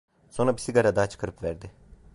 Sonra bir sigara daha çıkarıp verdi…